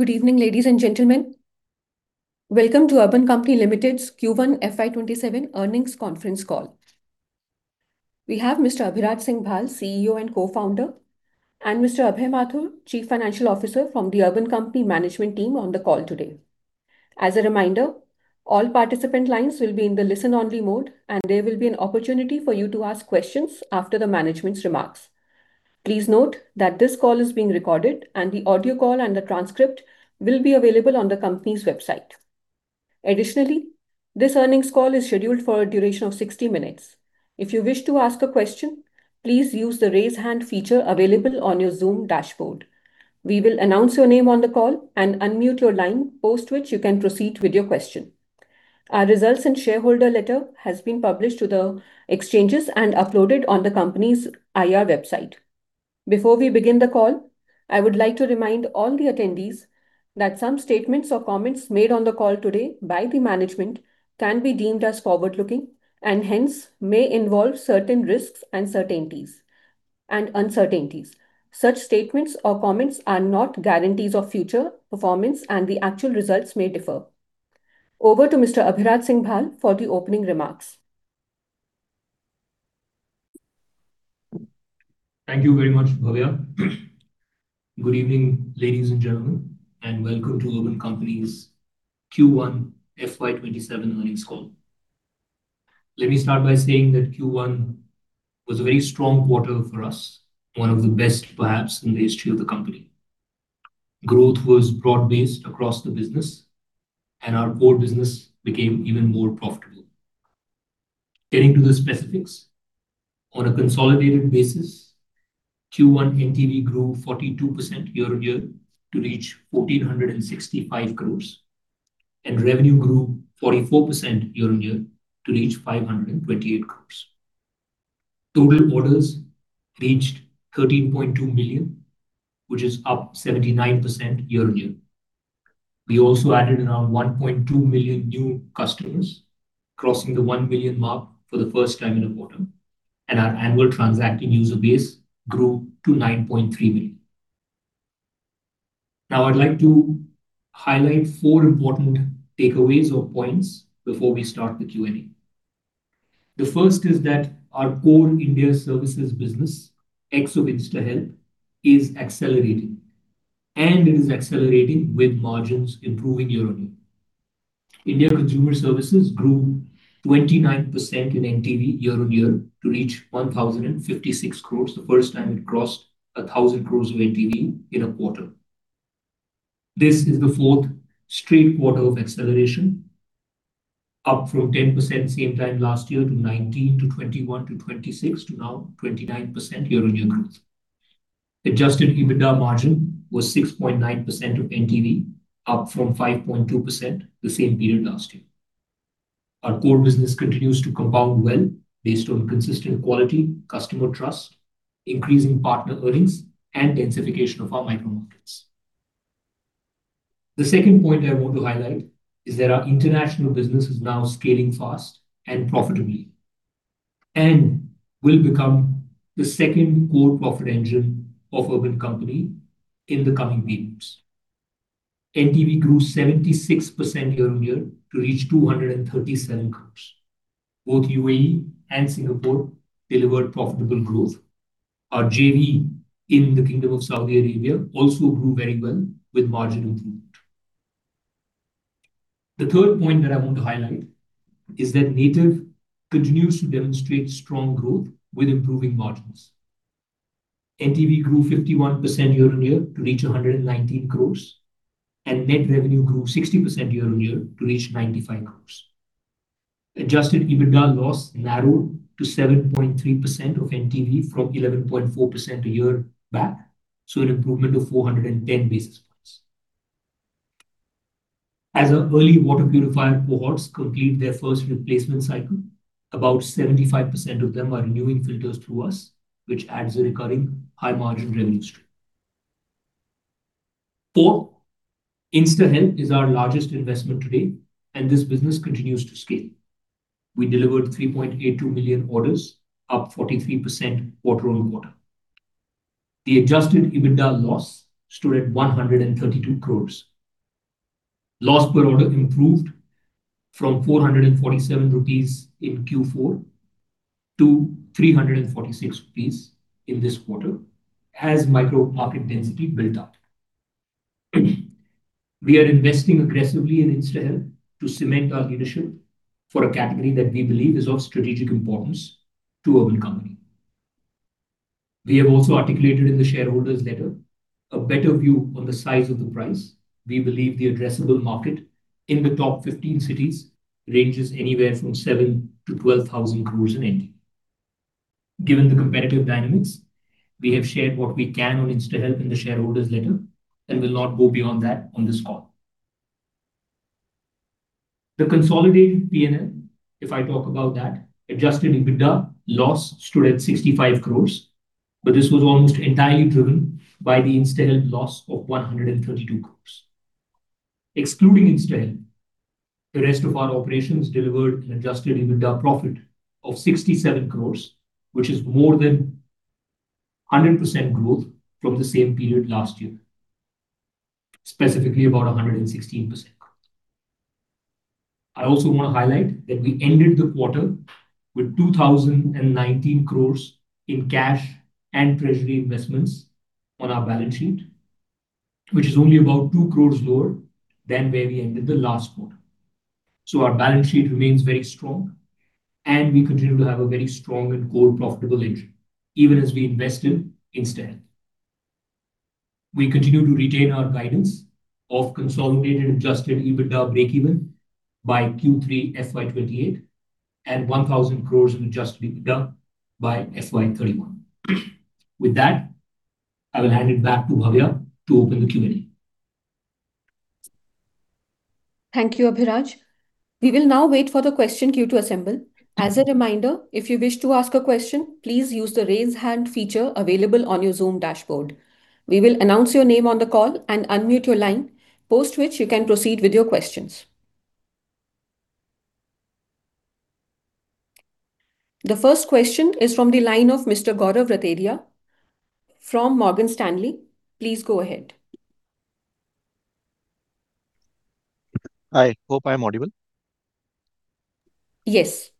Good evening, ladies and gentlemen. Welcome to Urban Company Limited's Q1 FY 2027 earnings conference call. We have Mr. Abhiraj Singh Bhal, CEO and co-founder, and Mr. Abhay Mathur, Chief Financial Officer from the Urban Company management team on the call today. As a reminder, all participant lines will be in the listen-only mode, and there will be an opportunity for you to ask questions after the management's remarks. Please note that this call is being recorded, and the audio call and the transcript will be available on the company's website. Additionally, this earnings call is scheduled for a duration of 60 minutes. If you wish to ask a question, please use the raise hand feature available on your Zoom dashboard. We will announce your name on the call and unmute your line, post which you can proceed with your question. Our results and shareholder letter has been published to the exchanges and uploaded on the company's IR website. Before we begin the call, I would like to remind all the attendees that some statements or comments made on the call today by the management can be deemed as forward-looking, and hence may involve certain risks and uncertainties. Such statements or comments are not guarantees of future performance, and the actual results may differ. Over to Mr. Abhiraj Singh Bhal for the opening remarks. Thank you very much, Bhavya. Good evening, ladies and gentlemen, and welcome to Urban Company's Q1 FY 2027 earnings call. Let me start by saying that Q1 was a very strong quarter for us, one of the best, perhaps, in the history of the company. Growth was broad-based across the business, our core business became even more profitable. Getting to the specifics. On a consolidated basis, Q1 NTV grew 42% year-over-year to reach 1,465 crores, revenue grew 44% year-over-year to reach 528 crores. Total orders reached 13.2 million, which is up 79% year-over-year. We also added around 1.2 million new customers, crossing the 1 million mark for the first time in a quarter. Our annual transacting user base grew to 9.3 million. Now I'd like to highlight four important takeaways or points before we start the Q&A. The first is that our core India Consumer Services business, ex of InstaHelp, is accelerating, and it is accelerating with margins improving year-over-year. India Consumer Services grew 29% in NTV year-over-year to reach 1,056 crores, the first time it crossed 1,000 crores of NTV in a quarter. This is the fourth straight quarter of acceleration, up from 10% same time last year to 19% to 21% to 26% to now 29% year-on-year growth. Adjusted EBITDA margin was 6.9% of NTV, up from 5.2% the same period last year. Our core business continues to compound well based on consistent quality, customer trust, increasing partner earnings, and densification of our micro markets. The second point I want to highlight is that our international business is now scaling fast and profitably and will become the second core profit engine of Urban Company in the coming periods. NTV grew 76% year-over-year to reach 237 crores. Both UAE and Singapore delivered profitable growth. Our JV in the Kingdom of Saudi Arabia also grew very well with margin improvement. The third point that I want to highlight is that Native continues to demonstrate strong growth with improving margins. NTV grew 51% year-on-year to reach 119 crores, and net revenue grew 60% year-on-year to reach 95 crores. Adjusted EBITDA loss narrowed to 7.3% of NTV from 11.4% a year back, an improvement of 410 basis points. As our early water purifier cohorts complete their first replacement cycle, about 75% of them are renewing filters through us, which adds a recurring high margin revenue stream. Four, InstaHelp is our largest investment today, and this business continues to scale. We delivered 3.82 million orders, up 43% quarter-over-quarter. The Adjusted EBITDA loss stood at 132 crores. Loss per order improved from 447 rupees in Q4 to 346 rupees in this quarter as micro-market density built out. We are investing aggressively in InstaHelp to cement our leadership for a category that we believe is of strategic importance to Urban Company. We have also articulated in the shareholders letter a better view on the size of the price. We believe the addressable market in the top 15 cities ranges anywhere from 7 thousand crores-12 thousand crores in NTV. Given the competitive dynamics, we have shared what we can on InstaHelp in the shareholders letter and will not go beyond that on this call. The consolidated P&L, if I talk about that, Adjusted EBITDA loss stood at 65 crores, but this was almost entirely driven by the InstaHelp loss of 132 crores. Excluding InstaHelp, the rest of our operations delivered an Adjusted EBITDA profit of 67 crores, which is more than 100% growth from the same period last year, specifically about 116%. I also want to highlight that we ended the quarter with 2,019 crores in cash and treasury investments on our balance sheet, which is only about two crores lower than where we ended the last quarter. Our balance sheet remains very strong, and we continue to have a very strong and core profitable engine, even as we invest in InstaHelp. We continue to retain our guidance of consolidated Adjusted EBITDA breakeven by Q3 FY 2028 and INR 1,000 crores in Adjusted EBITDA by FY 2031. With that, I will hand it back to Bhavya to open the Q&A. Thank you, Abhiraj. We will now wait for the question queue to assemble. As a reminder, if you wish to ask a question, please use the raise hand feature available on your Zoom dashboard. We will announce your name on the call and unmute your line, post which you can proceed with your questions. The first question is from the line of Mr. Gaurav Rateria from Morgan Stanley. Please go ahead. Hi. Hope I'm audible. Yes.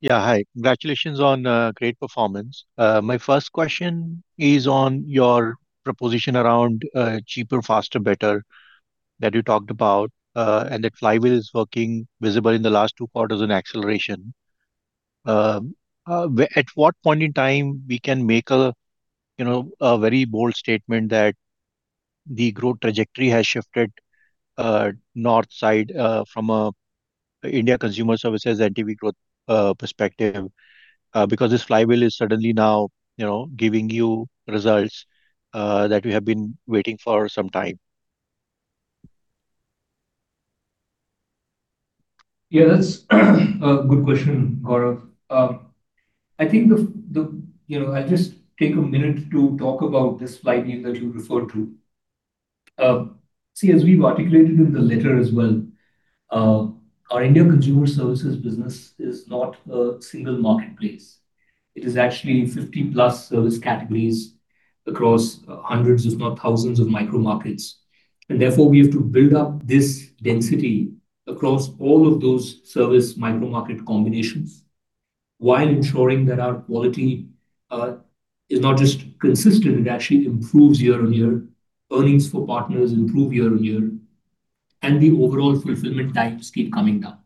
Yeah. Hi. Congratulations on a great performance. My first question is on your proposition around cheaper, faster, better that you talked about, that flywheel is working visible in the last two quarters in acceleration. At what point in time we can make a very bold statement that the growth trajectory has shifted north side from India Consumer Services NTV growth perspective, because this flywheel is suddenly now giving you results that we have been waiting for some time. Yeah, that's a good question, Gaurav. I'll just take a minute to talk about this flywheel that you referred to. See, as we've articulated in the letter as well, our India Consumer Services business is not a single marketplace. It is actually 50-plus service categories across hundreds, if not thousands, of micro markets. Therefore, we have to build up this density across all of those service micro market combinations while ensuring that our quality is not just consistent, it actually improves year-on-year, earnings for partners improve year-on-year, the overall fulfillment times keep coming down.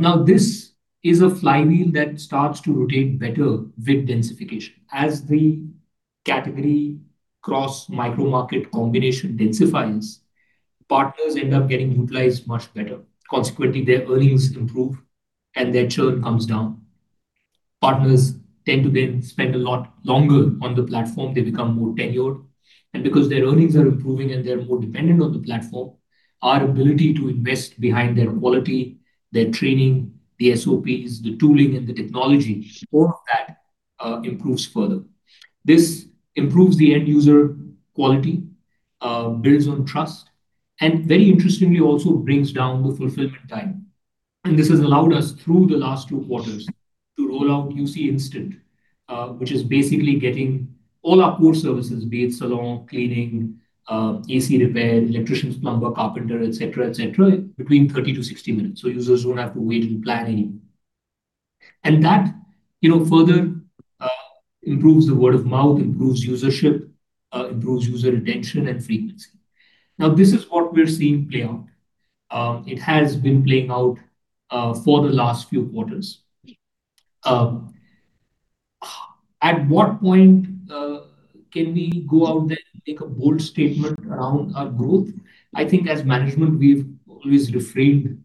Now, this is a flywheel that starts to rotate better with densification. As the category cross micro market combination densifies, partners end up getting utilized much better. Consequently, their earnings improve and their churn comes down. Partners tend to then spend a lot longer on the platform. They become more tenured. Because their earnings are improving and they're more dependent on the platform, our ability to invest behind their quality, their training, the SOPs, the tooling, and the technology, all of that improves further. This improves the end-user quality, builds on trust, and very interestingly, also brings down the fulfillment time. This has allowed us, through the last two quarters, to roll out InstaHelp, which is basically getting all our core services, be it salon, cleaning, AC repair, electricians, plumber, carpenter, et cetera, between 30 - 60 minutes, so users don't have to wait and plan anymore. That further improves the word of mouth, improves usership, improves user retention and frequency. Now, this is what we're seeing play out. It has been playing out for the last few quarters. At what point can we go out there and make a bold statement around our growth? I think as management, we've always refrained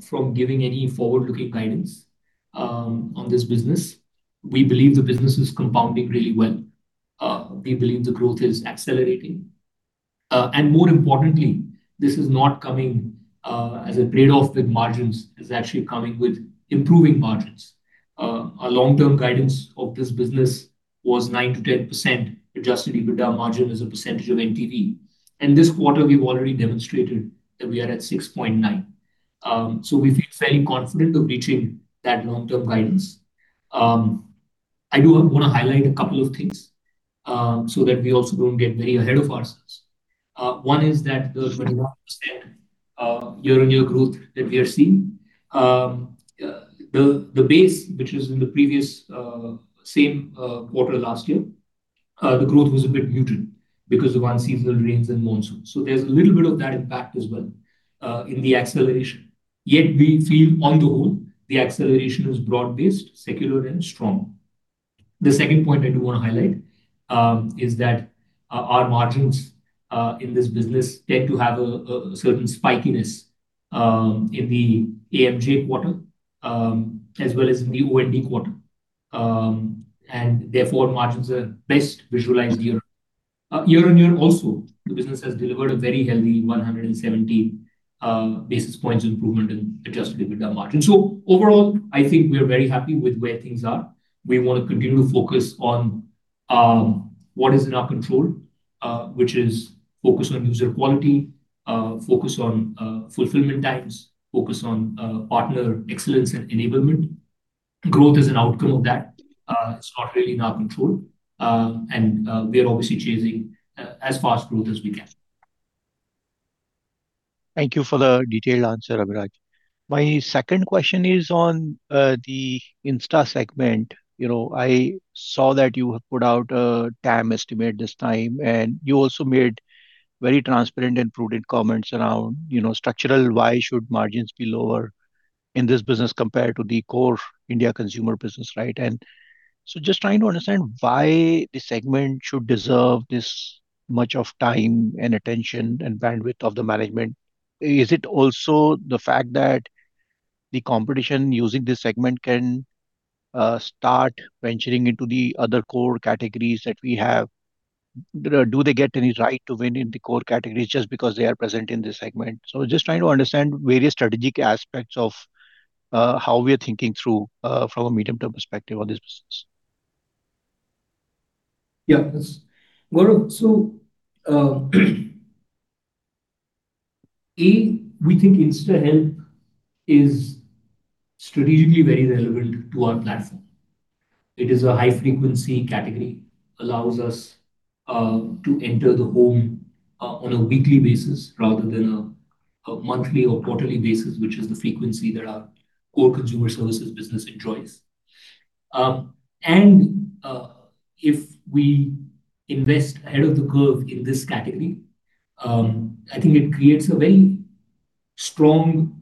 from giving any forward-looking guidance on this business. We believe the business is compounding really well. We believe the growth is accelerating. More importantly, this is not coming as a trade-off with margins. It's actually coming with improving margins. Our long-term guidance of this business was 9%-10% Adjusted EBITDA margin as a percentage of NTV. This quarter, we've already demonstrated that we are at 6.9%. We feel very confident of reaching that long-term guidance. I do want to highlight a couple of things so that we also don't get very ahead of ourselves. One is that the 29% year-on-year growth that we are seeing. The base, which was in the previous same quarter last year, the growth was a bit muted because of unseasonal rains and monsoon. There's a little bit of that impact as well in the acceleration. Yet, we feel on the whole, the acceleration is broad-based, secular, and strong. The second point I do want to highlight is that our margins in this business tend to have a certain spikiness in the AMJ quarter as well as in the OND quarter. Therefore, margins are best visualized year-on-year. Year-on-year, also, the business has delivered a very healthy 170 basis points improvement in Adjusted EBITDA margin. Overall, I think we are very happy with where things are. We want to continue to focus on what is in our control which is focused on user quality, focused on fulfillment times, focused on partner excellence and enablement. Growth is an outcome of that. It's not really in our control. We are obviously chasing as fast growth as we can. Thank you for the detailed answer, Abhiraj. My second question is on the Insta segment. I saw that you have put out a TAM estimate this time, and you also made very transparent and prudent comments around structural, why should margins be lower in this business compared to the core India Consumer business, right? Just trying to understand why the segment should deserve this much of time and attention and bandwidth of the management. Is it also the fact that the competition using this segment can start venturing into the other core categories that we have? Do they get any right to win in the core categories just because they are present in this segment? Just trying to understand various strategic aspects of how we're thinking through from a medium-term perspective on this business. InstaHelp is strategically very relevant to our platform. It is a high-frequency category, allows us to enter the home on a weekly basis rather than a monthly or quarterly basis, which is the frequency that our core consumer services business enjoys. If we invest ahead of the curve in this category, I think it creates a very strong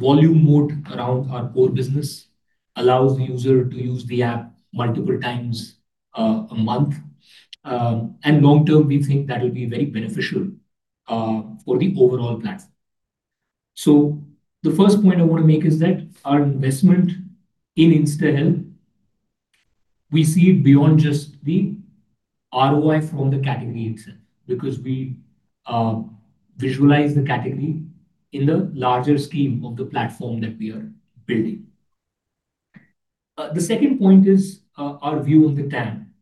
volume moat around our core business, allows the user to use the app multiple times a month. Long term, we think that will be very beneficial for the overall platform. The first point I want to make is that our investment in InstaHelp, we see it beyond just the ROI from the category itself, because we visualize the category in the larger scheme of the platform that we are building. The second point is our view on the TAM.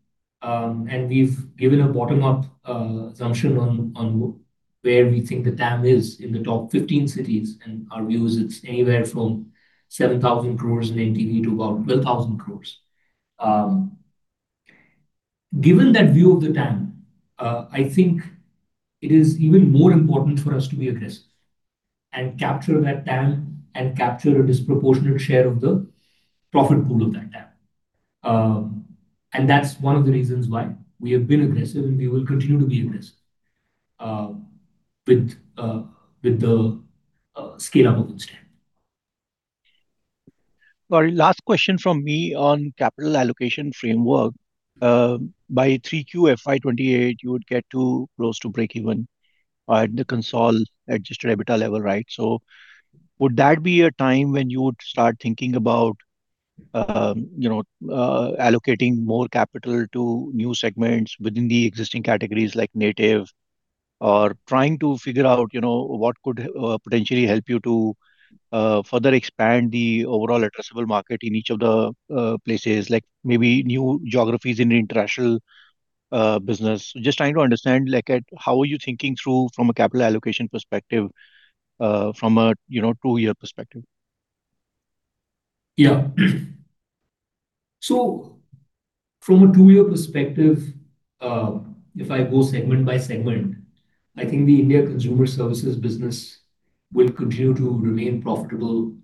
We've given a bottom-up assumption on where we think the TAM is in the top 15 cities, and our view is it's anywhere from 7,000 crore in NTV to about 12,000 crore. Given that view of the TAM, I think it is even more important for us to be aggressive and capture that TAM and capture a disproportionate share of the profit pool of that TAM. That's one of the reasons why we have been aggressive and we will continue to be aggressive with the scale-up of InstaHelp. Last question from me on capital allocation framework. By Q3 FY 2028, you would get close to break-even at the consolidated Adjusted EBITDA level, right? Would that be a time when you would start thinking about allocating more capital to new segments within the existing categories like Native or trying to figure out what could potentially help you to further expand the overall addressable market in each of the places, like maybe new geographies in international business? Just trying to understand, how are you thinking through from a capital allocation perspective, from a two-year perspective? From a two-year perspective, if I go segment by segment, I think the India Consumer Services business will continue to remain profitable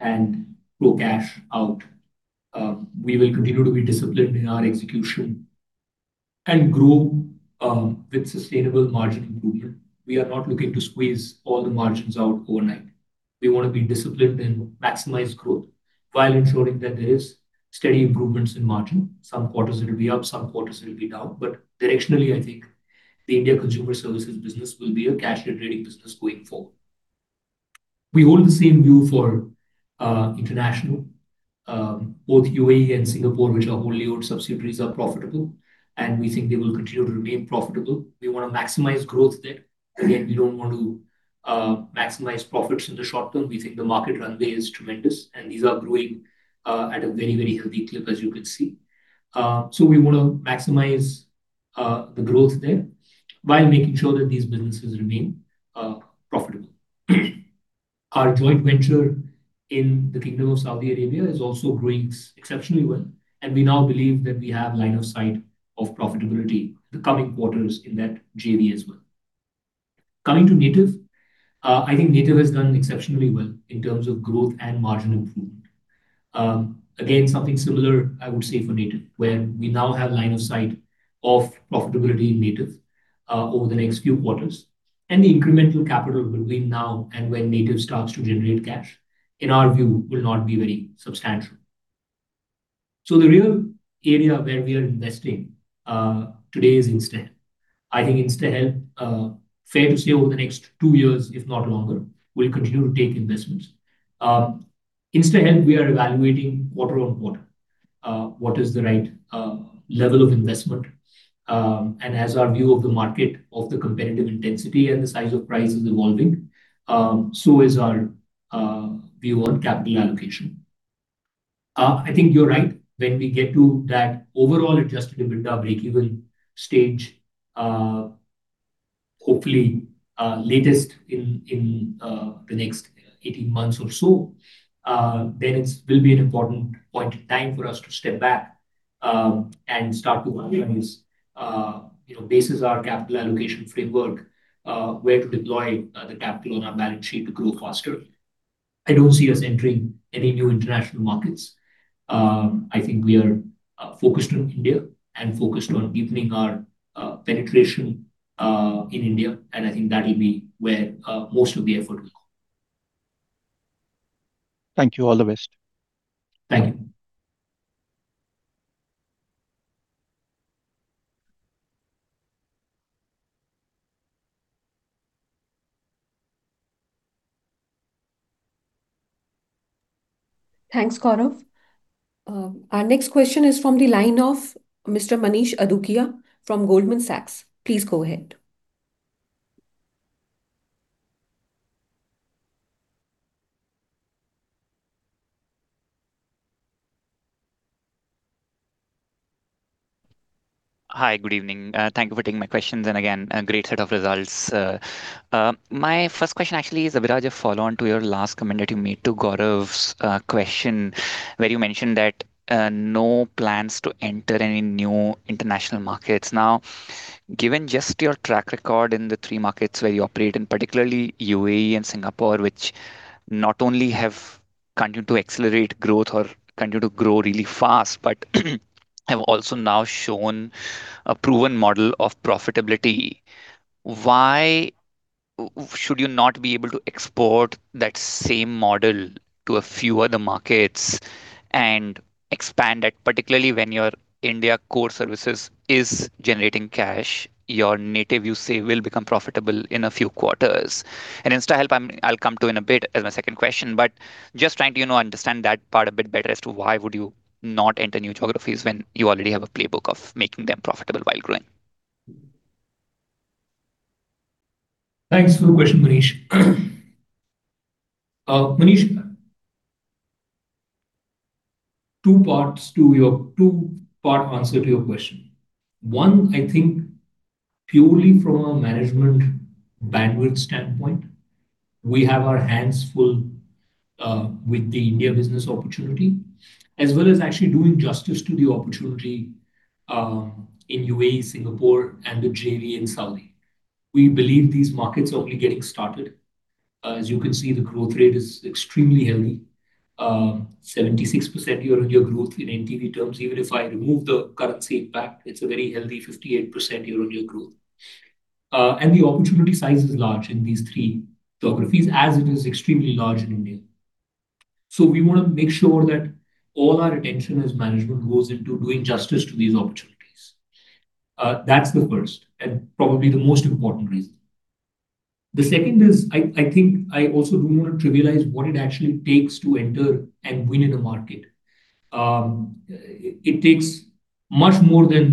and throw cash out. We will continue to be disciplined in our execution and grow with sustainable margin improvement. We are not looking to squeeze all the margins out overnight. We want to be disciplined and maximize growth while ensuring that there is steady improvements in margin. Some quarters it will be up, some quarters it will be down. Directionally, I think the India Consumer Services business will be a cash-generating business going forward. We hold the same view for international. Both UAE and Singapore, which are wholly-owned subsidiaries, are profitable, and we think they will continue to remain profitable. We want to maximize growth there. Again, we don't want to maximize profits in the short term. We think the market runway is tremendous, these are growing at a very, very healthy clip, as you can see. We want to maximize the growth there while making sure that these businesses remain profitable. Our joint venture in the Kingdom of Saudi Arabia is also growing exceptionally well, we now believe that we have line of sight of profitability in the coming quarters in that JV as well. Coming to Native, I think Native has done exceptionally well in terms of growth and margin improvement. Something similar I would say for Native, where we now have line of sight of profitability in Native over the next few quarters. Any incremental capital between now and when Native starts to generate cash, in our view, will not be very substantial. The real area where we are investing today is InstaHelp. I think InstaHelp, fair to say over the next two years, if not longer, will continue to take investments. InstaHelp, we are evaluating quarter-on-quarter. What is the right level of investment, as our view of the market, of the competitive intensity and the size of prize is evolving, so is our view on capital allocation. I think you're right. When we get to that overall Adjusted EBITDA breakeven stage, hopefully latest in the next 18 months or so, it will be an important point in time for us to step back and start to evaluate this. Basis our capital allocation framework, where to deploy the capital on our balance sheet to grow faster. I don't see us entering any new international markets. I think we are focused on India and focused on deepening our penetration in India, I think that'll be where most of the effort will go. Thank you. All the best. Thank you. Thanks, Gaurav. Our next question is from the line of Mr. Manish Adukia from Goldman Sachs. Please go ahead. Hi. Good evening. Thank you for taking my questions, and again, a great set of results. My first question actually is, Abhiraj, a follow-on to your last comment that you made to Gaurav's question, where you mentioned that no plans to enter any new international markets. Now, given just your track record in the three markets where you operate, and particularly UAE and Singapore, which not only have continued to accelerate growth or continued to grow really fast, but have also now shown a proven model of profitability, why should you not be able to export that same model to a few other markets and expand it, particularly when your India Consumer Services is generating cash. Your Native, you say, will become profitable in a few quarters. InstaHelp, I'll come to in a bit as my second question, but just trying to understand that part a bit better as to why would you not enter new geographies when you already have a playbook of making them profitable while growing. Thanks for the question, Manish. Manish, two-part answer to your question. One, I think purely from a management bandwidth standpoint, we have our hands full with the India business opportunity, as well as actually doing justice to the opportunity in UAE, Singapore, and the JV in Saudi. We believe these markets are only getting started. As you can see, the growth rate is extremely healthy. 76% year-on-year growth in NTV terms. Even if I remove the currency impact, it's a very healthy 58% year-on-year growth. The opportunity size is large in these three geographies, as it is extremely large in India. We want to make sure that all our attention as management goes into doing justice to these opportunities. That's the first and probably the most important reason. The second is, I think I also don't want to trivialize what it actually takes to enter and win in a market. It takes much more than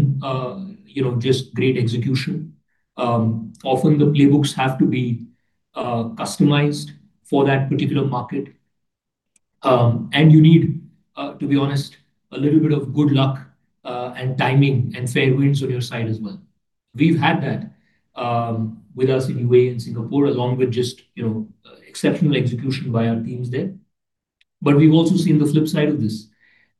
just great execution. Often the playbooks have to be customized for that particular market. You need, to be honest, a little bit of good luck and timing and fair winds on your side as well. We've had that with us in UAE and Singapore, along with just exceptional execution by our teams there. We've also seen the flip side of this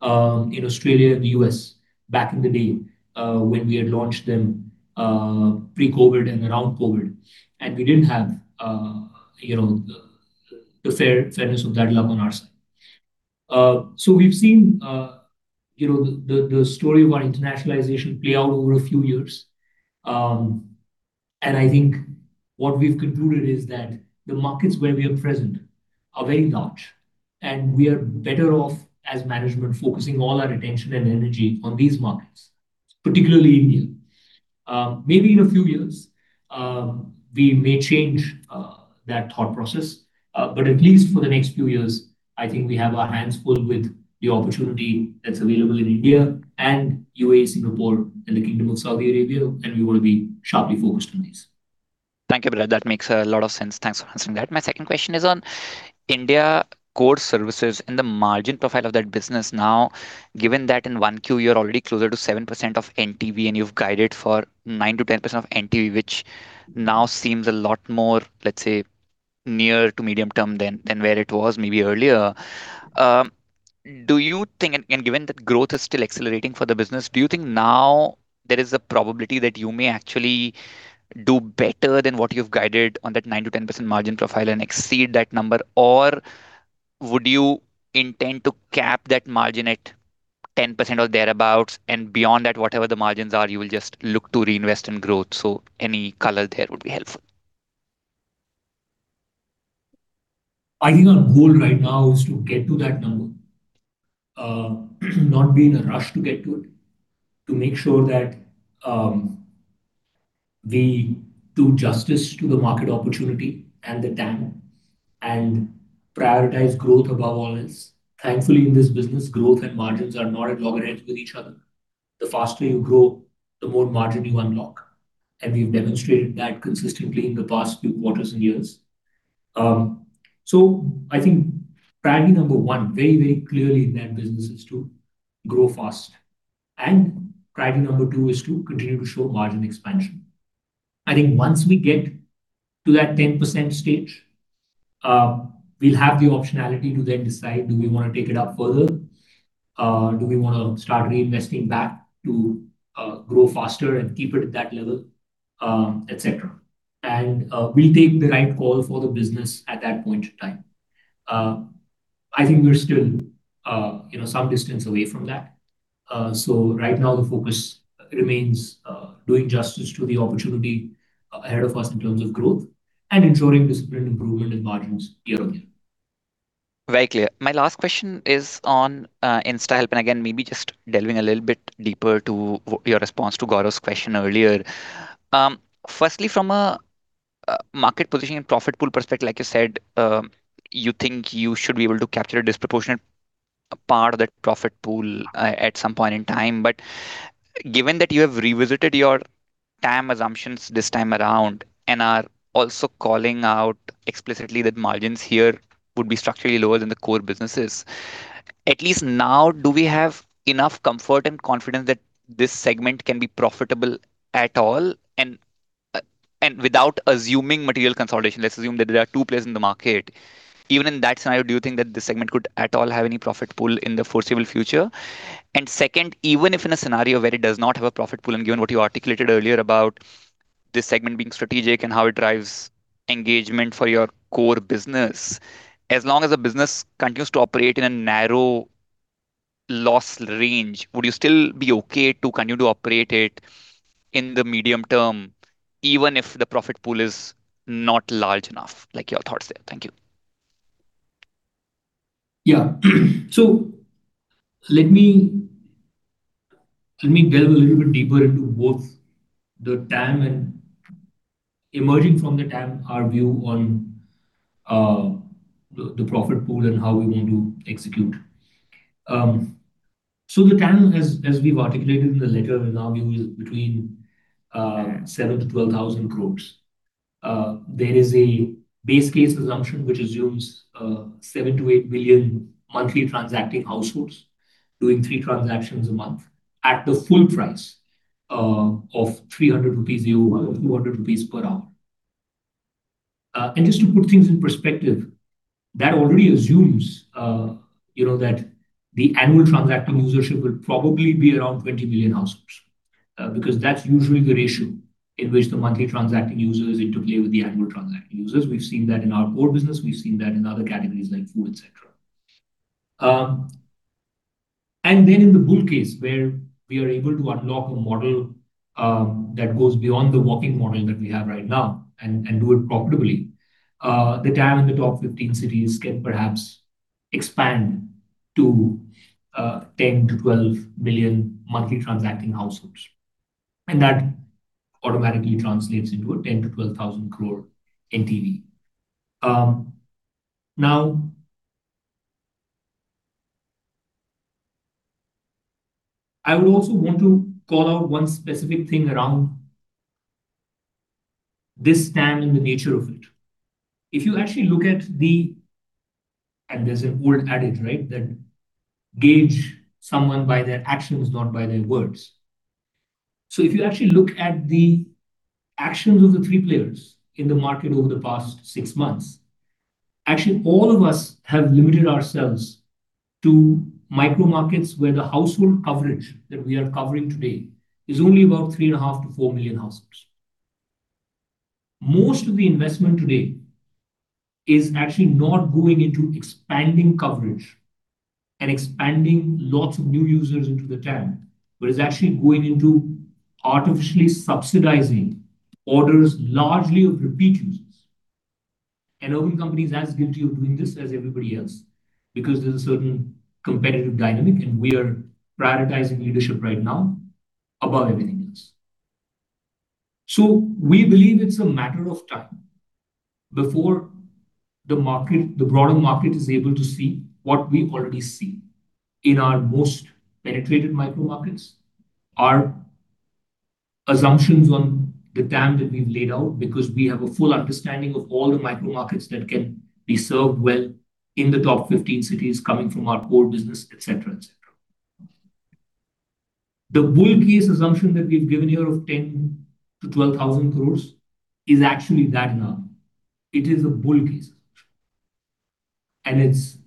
in Australia and the U.S. back in the day, when we had launched them pre-COVID and around COVID. We didn't have the fairness of that luck on our side. We've seen the story of our internationalization play out over a few years. I think what we've concluded is that the markets where we are present are very large, and we are better off as management focusing all our attention and energy on these markets, particularly India. Maybe in a few years, we may change that thought process. At least for the next few years, I think we have our hands full with the opportunity that's available in India and UAE, Singapore, and the Kingdom of Saudi Arabia, and we want to be sharply focused on these. Thank you, Abhiraj. That makes a lot of sense. Thanks for answering that. My second question is on India Consumer Services and the margin profile of that business. Now, given that in Q1 you're already closer to 7% of NTV and you've guided for 9%-10% of NTV, which now seems a lot more, let's say, near to medium term than where it was maybe earlier. Given that growth is still accelerating for the business, do you think now there is a probability that you may actually do better than what you've guided on that 9%-10% margin profile and exceed that number? Would you intend to cap that margin at 10% or thereabout, and beyond that, whatever the margins are, you will just look to reinvest in growth? Any color there would be helpful. I think our goal right now is to get to that number. Not be in a rush to get to it. To make sure that we do justice to the market opportunity and the TAM, and prioritize growth above all else. Thankfully, in this business, growth and margins are not at loggerheads with each other. The faster you grow, the more margin you unlock. We've demonstrated that consistently in the past few quarters and years. I think priority 1, very clearly in that business is to grow fast, and priority two is to continue to show margin expansion. I think once we get to that 10% stage, we'll have the optionality to then decide, do we want to take it up further? Do we want to start reinvesting back to grow faster and keep it at that level, et cetera? We'll take the right call for the business at that point in time. I think we're still some distance away from that. Right now the focus remains doing justice to the opportunity ahead of us in terms of growth and ensuring disciplined improvement in margins year-over-year. Very clear. My last question is on InstaHelp, and again, maybe just delving a little bit deeper to your response to Gaurav's question earlier. Firstly, from a market positioning and profit pool perspective, like you said, you think you should be able to capture a disproportionate part of that profit pool at some point in time. Given that you have revisited your TAM assumptions this time around and are also calling out explicitly that margins here would be structurally lower than the core businesses. At least now, do we have enough comfort and confidence that this segment can be profitable at all? Without assuming material consolidation, let's assume that there are two players in the market. Even in that scenario, do you think that this segment could at all have any profit pool in the foreseeable future? Second, even if in a scenario where it does not have a profit pool, and given what you articulated earlier about this segment being strategic and how it drives engagement for your core business. As long as the business continues to operate in a narrow loss range, would you still be okay to continue to operate it in the medium term, even if the profit pool is not large enough? Your thoughts there. Thank you. Let me delve a little bit deeper into both the TAM and emerging from the TAM, our view on the profit pool and how we are going to execute. The TAM, as we have articulated in the letter, our view is between 7,000 crore-12,000 crore. There is a base case assumption which assumes 7 million-8 million monthly transacting households doing three transactions a month at the full price of 300 rupees or over 200 rupees per hour. Just to put things in perspective, that already assumes that the annual transacting usership will probably be around 20 million households, because that is usually the ratio in which the monthly transacting users interplay with the annual transacting users. We have seen that in our core business. We have seen that in other categories like food, et cetera. In the bull case, where we are able to unlock a model that goes beyond the walking model that we have right now and do it profitably. The TAM in the top 15 cities can perhaps expand to 10 million-12 million monthly transacting households, and that automatically translates into an 10,000 crore-12,000 crore NTV. I would also want to call out one specific thing around this TAM and the nature of it. There is an old adage, that gauge someone by their actions, not by their words. If you actually look at the actions of the three players in the market over the past 6 months, actually, all of us have limited ourselves to micro markets where the household coverage that we are covering today is only about 3.5 million-4 million households. Most of the investment today is actually not going into expanding coverage and expanding lots of new users into the TAM, but it is actually going into artificially subsidizing orders largely of repeat users. Urban Company is as guilty of doing this as everybody else, because there is a certain competitive dynamic and we are prioritizing leadership right now above everything else. We believe it is a matter of time before the broader market is able to see what we already see in our most penetrated micro markets. Our assumptions on the TAM that we have laid out, because we have a full understanding of all the micro markets that can be served well in the top 15 cities coming from our core business, et cetera. The bull case assumption that we have given here of 10,000 crore-12,000 crore is actually that now. It is a bull case assumption.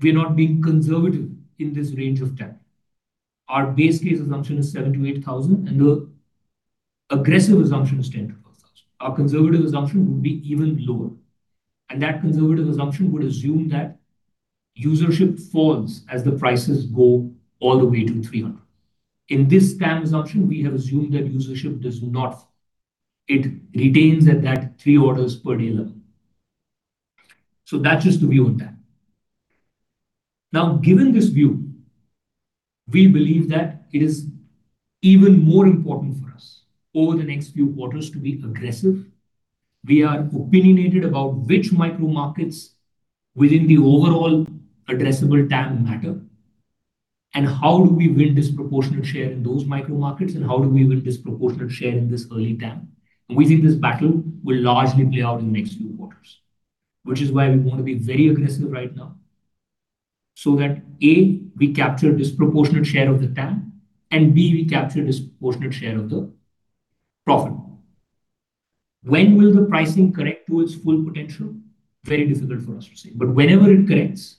We are not being conservative in this range of TAM. Our base case assumption is 7,000 crore-8,000 crore, and the aggressive assumption is 10,000 crore-12,000 crore. Our conservative assumption would be even lower, and that conservative assumption would assume that usership falls as the prices go all the way to 300. In this TAM assumption, we have assumed that usership does not. It retains at that three orders per day level. That is just the view on TAM. Given this view, we believe that it is even more important for us over the next few quarters to be aggressive. We are opinionated about which micro markets within the overall addressable TAM matter and how do we win disproportionate share in those micro markets, and how do we win disproportionate share in this early TAM? We think this battle will largely play out in the next few quarters, which is why we want to be very aggressive right now, so that, A, we capture disproportionate share of the TAM, and B, we capture disproportionate share of the profit. When will the pricing correct to its full potential? Very difficult for us to say. Whenever it corrects,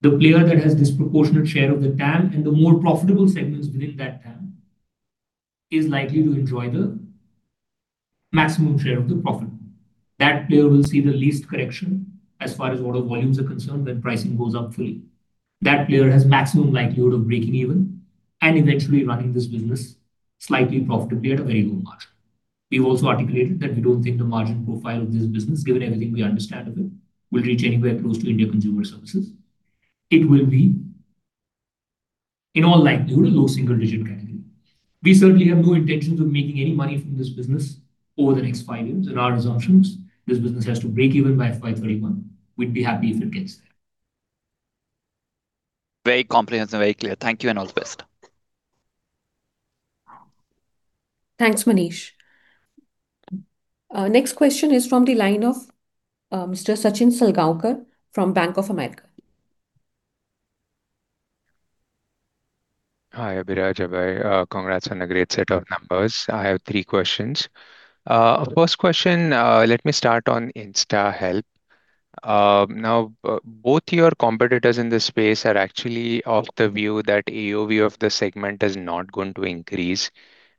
the player that has disproportionate share of the TAM and the more profitable segments within that TAM is likely to enjoy the maximum share of the profit. That player will see the least correction as far as order volumes are concerned when pricing goes up fully. That player has maximum likelihood of breaking even and eventually running this business slightly profitably at a very low margin. We've also articulated that we don't think the margin profile of this business, given everything we understand of it, will reach anywhere close to India Consumer Services. It will be, in all likelihood, a low single-digit category. We certainly have no intentions of making any money from this business over the next five years. In our assumptions, this business has to break even by FY 2031. We'd be happy if it gets there. Very comprehensive, very clear. Thank you and all the best. Thanks, Manish. Next question is from the line of Mr. Sachin Salgaonkar from Bank of America. Hi, Abhiraj. Congrats on a great set of numbers. I have three questions. First question. Let me start on InstaHelp. Both your competitors in this space are actually of the view that AOV of the segment is not going to increase,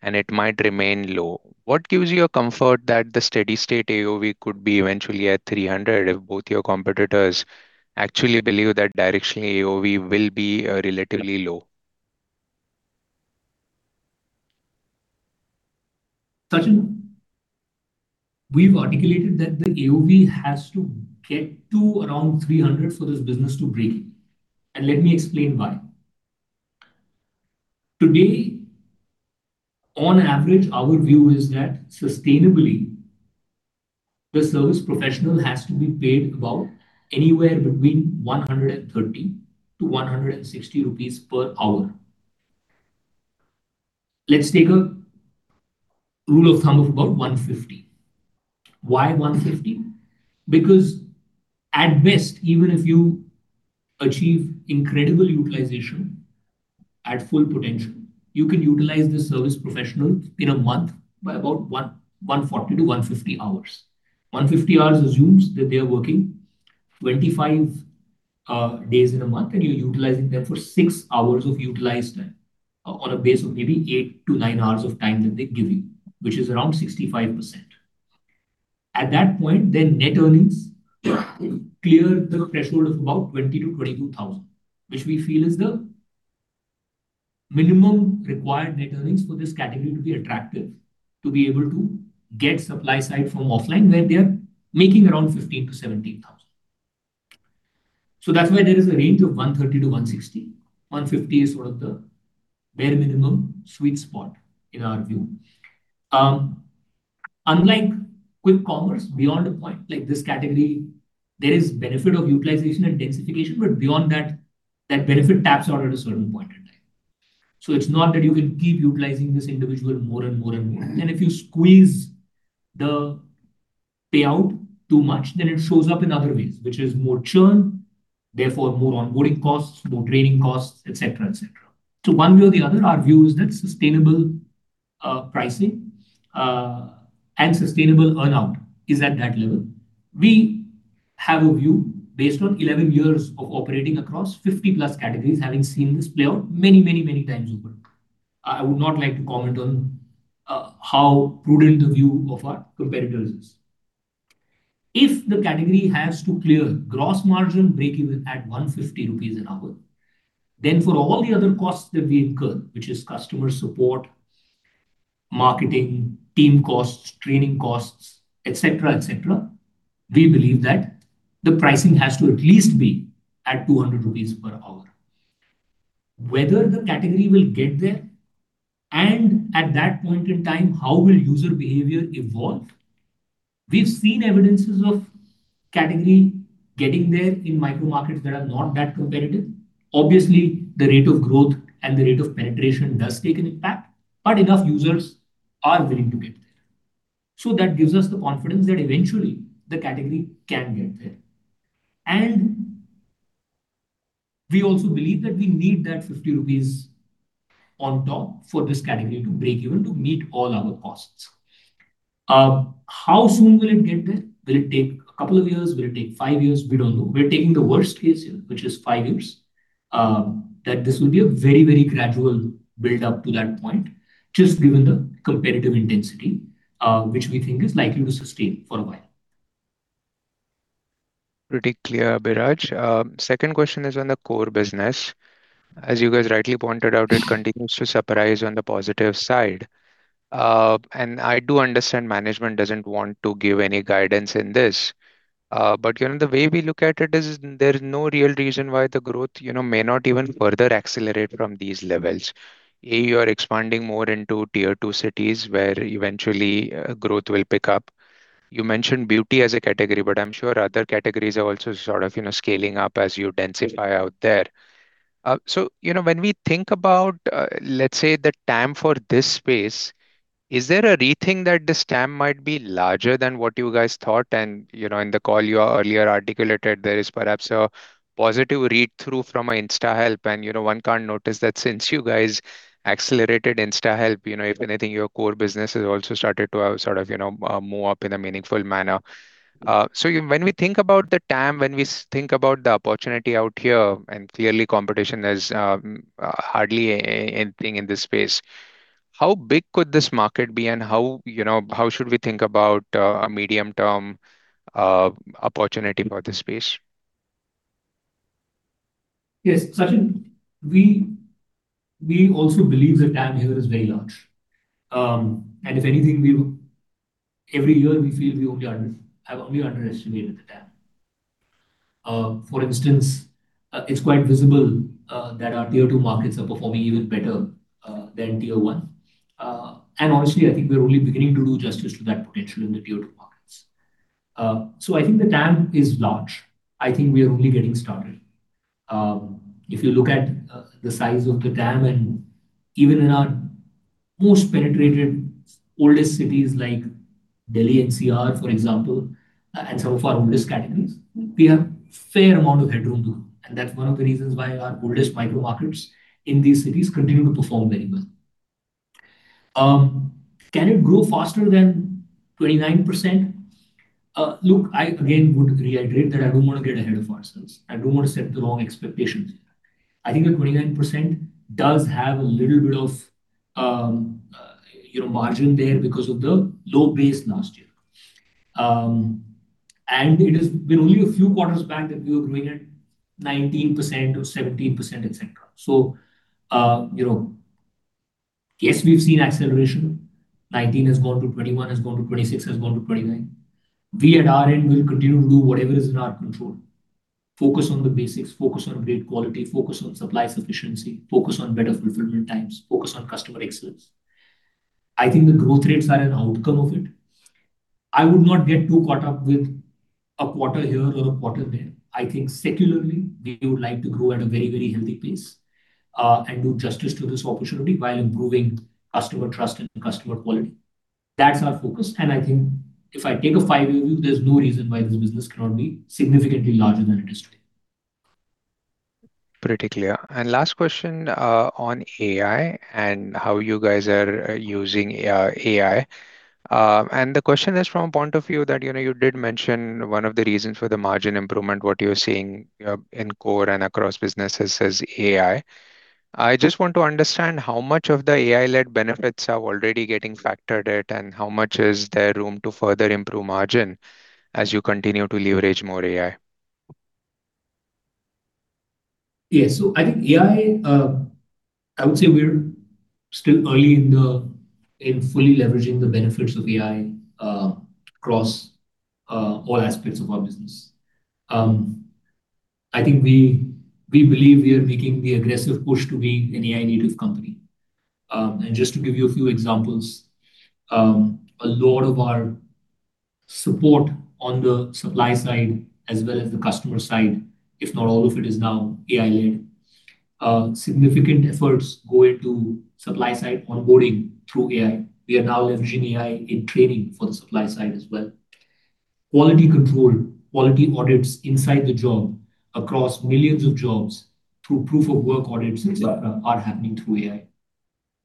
and it might remain low. What gives you a comfort that the steady state AOV could be eventually at 300 if both your competitors actually believe that directionally AOV will be relatively low? Sachin, we've articulated that the AOV has to get to around 300 for this business to break even, and let me explain why. Today, on average, our view is that sustainably, the service professional has to be paid about anywhere between 130-160 rupees per hour. Let's take a rule of thumb of about 150. Why 150? Because at best, even if you achieve incredible utilization at full potential, you can utilize the service professional in a month by about 140 - 150 hours. 150 hours assumes that they are working 25 days in a month, and you're utilizing them for six hours of utilized time on a base of maybe 8-9 hours of time that they give you, which is around 65%. At that point, their net earnings clear the threshold of about 20,000-22,000, which we feel is the minimum required net earnings for this category to be attractive, to be able to get supply side from offline where they are making around 15,000-17,000. That's why there is a range of 130-160. 150 is the bare minimum sweet spot in our view. Unlike quick commerce, beyond a point, like this category, there is benefit of utilization and densification, but beyond that benefit taps out at a certain point in time. It's not that you can keep utilizing this individual more and more. If you squeeze the payout too much, then it shows up in other ways, which is more churn, therefore more onboarding costs, more training costs, et cetera. One way or the other, our view is that sustainable pricing, and sustainable earn-out is at that level. We have a view based on 11 years of operating across 50 plus categories, having seen this play out many times over. I would not like to comment on how prudent the view of our competitors is. If the category has to clear gross margin breakeven at 150 rupees an hour, for all the other costs that we incur, which is customer support, marketing, team costs, training costs, et cetera. We believe that the pricing has to at least be at 200 rupees per hour. Whether the category will get there, and at that point in time, how will user behavior evolve? We've seen evidences of category getting there in micro markets that are not that competitive. Obviously, the rate of growth and the rate of penetration does take an impact, but enough users are willing to get there. That gives us the confidence that eventually the category can get there. We also believe that we need that 50 rupees on top for this category to break even to meet all our costs. How soon will it get there? Will it take a couple of years? Will it take five years? We do not know. We are taking the worst case here, which is five years, that this will be a very gradual build-up to that point, just given the competitive intensity, which we think is likely to sustain for a while. Pretty clear, Abhiraj. Second question is on the core business. As you guys rightly pointed out, it continues to surprise on the positive side. I do understand management does not want to give any guidance in this. The way we look at it is there is no real reason why the growth may not even further accelerate from these levels. A, you are expanding more into Tier 2 cities where eventually growth will pick up. You mentioned beauty as a category, but I am sure other categories are also scaling up as you densify out there. When we think about, let us say, the TAM for this space, is there a rethink that this TAM might be larger than what you guys thought? In the call you earlier articulated, there is perhaps a positive read-through from InstaHelp. One can notice that since you guys accelerated InstaHelp, if anything, your core business has also started to move up in a meaningful manner. When we think about the TAM, when we think about the opportunity out here, clearly competition is hardly anything in this space, how big could this market be and how should we think about a medium-term opportunity for this space? Yes. Sachin, we also believe the TAM here is very large. If anything, every year, we feel we only underestimated the TAM. For instance, it is quite visible that our tier 2 markets are performing even better than tier 1. Honestly, I think we are only beginning to do justice to that potential in the tier 2 markets. I think the TAM is large. I think we are only getting started. If you look at the size of the TAM, even in our most penetrated oldest cities like Delhi NCR, for example, and some of our oldest categories, we have a fair amount of headroom too, and that is one of the reasons why our oldest micro markets in these cities continue to perform very well. Can it grow faster than 29%? Look, I, again, would reiterate that I do not want to get ahead of ourselves. I don't want to set the wrong expectations. I think that 29% does have a little bit of margin there because of the low base last year. It has been only a few quarters back that we were growing at 19% or 17%, et cetera. Yes, we've seen acceleration. 19 has gone to 21, has gone to 26, has gone to 29. We at our end will continue to do whatever is in our control. Focus on the basics, focus on great quality, focus on supply sufficiency, focus on better fulfillment times, focus on customer excellence. I think the growth rates are an outcome of it. I would not get too caught up with a quarter here or a quarter there. I think secularly, we would like to grow at a very, very healthy pace, and do justice to this opportunity while improving customer trust and customer quality. That's our focus. I think if I take a five-year view, there's no reason why this business cannot be significantly larger than it is today. Pretty clear. Last question on AI and how you guys are using AI. The question is from a point of view that you did mention one of the reasons for the margin improvement, what you're seeing in core and across businesses is AI. I just want to understand how much of the AI-led benefits are already getting factored at, and how much is there room to further improve margin as you continue to leverage more AI? I think AI, I would say we're still early in fully leveraging the benefits of AI across all aspects of our business. I think we believe we are making the aggressive push to be an AI-native company. Just to give you a few examples, a lot of our support on the supply side as well as the customer side, if not all of it, is now AI-led. Significant efforts go into supply-side onboarding through AI. We are now leveraging AI in training for the supply side as well. Quality control, quality audits inside the job across millions of jobs through proof of work audits, et cetera, are happening through AI.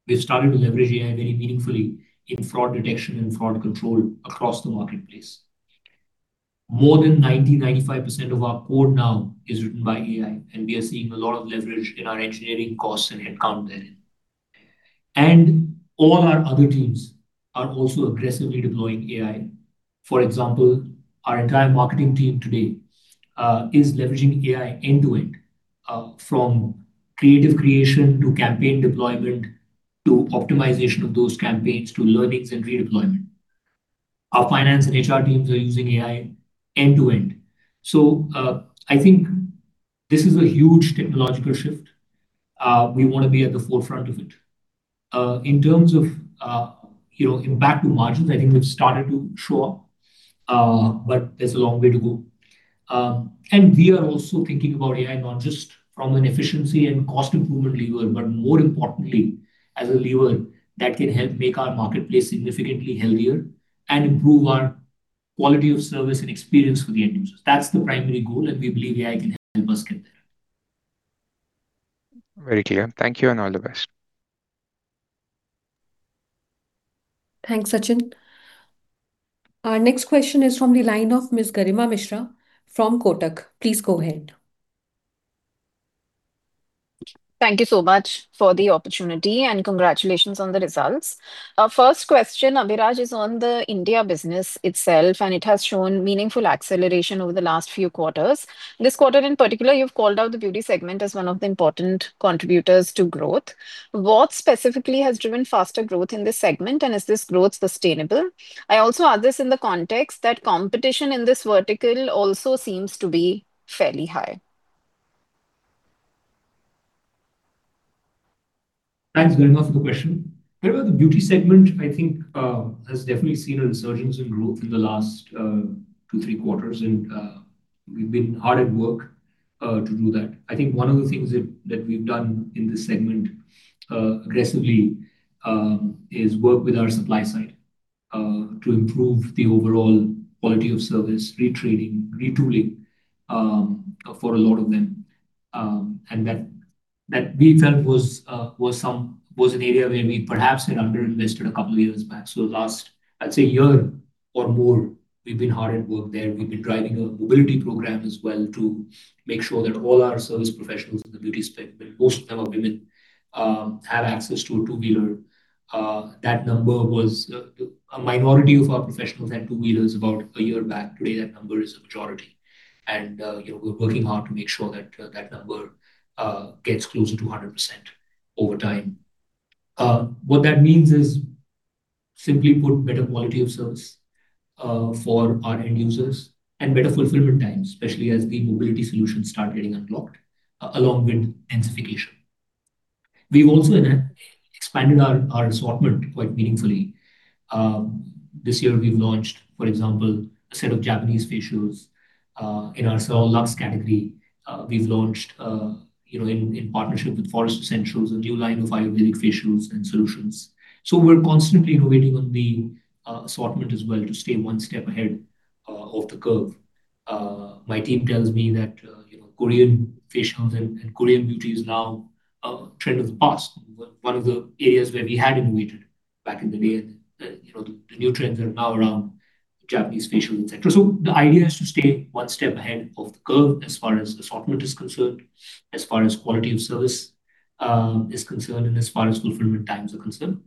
We've started to leverage AI very meaningfully in fraud detection and fraud control across the marketplace. More than 90%, 95% of our code now is written by AI. We are seeing a lot of leverage in our engineering costs and headcount there. All our other teams are also aggressively deploying AI. For example, our entire marketing team today is leveraging AI end-to-end. From creative creation to campaign deployment, to optimization of those campaigns, to learnings and redeployment. Our finance and HR teams are using AI end-to-end. I think this is a huge technological shift. We want to be at the forefront of it. In terms of impact to margins, I think we've started to show up, but there's a long way to go. We are also thinking about AI, not just from an efficiency and cost improvement lever, but more importantly, as a lever that can help make our marketplace significantly healthier and improve our quality of service and experience for the end users. That's the primary goal, and we believe AI can help us get there. Very clear. Thank you, and all the best. Thanks, Sachin. Our next question is from the line of Ms. Garima Mishra from Kotak. Please go ahead. Thank you so much for the opportunity and congratulations on the results. First question, Abhiraj, is on the India business itself, and it has shown meaningful acceleration over the last few quarters. This quarter in particular, you've called out the beauty segment as one of the important contributors to growth. What specifically has driven faster growth in this segment, and is this growth sustainable? I also ask this in the context that competition in this vertical also seems to be fairly high. Thanks very much for the question. The beauty segment, I think, has definitely seen a resurgence in growth in the last two, three quarters. We've been hard at work to do that. I think one of the things that we've done in this segment aggressively, is work with our supply side, to improve the overall quality of service, re-training, retooling, for a lot of them. That we felt was an area where we perhaps had under-invested a couple of years back. Last, I'd say year or more, we've been hard at work there. We've been driving a mobility program as well to make sure that all our service professionals in the beauty space, where most of them are women, have access to a two-wheeler. A minority of our professionals had two-wheelers about a year back. Today, that number is a majority. We're working hard to make sure that that number gets closer to 100% over time. What that means is, simply put, better quality of service for our end users and better fulfillment times, especially as the mobility solutions start getting unlocked, along with densification. We've also expanded our assortment quite meaningfully. This year we've launched, for example, a set of Japanese facials, in our luxe category. We've launched, in partnership with Forest Essentials, a new line of Ayurvedic facials and solutions. We're constantly innovating on the assortment as well to stay one step ahead of the curve. My team tells me that Korean facials and Korean beauty is now a trend of the past. One of the areas where we had innovated back in the day and the new trends are now around Japanese facials, et cetera. The idea is to stay one step ahead of the curve as far as assortment is concerned, as far as quality of service is concerned, and as far as fulfillment times are concerned.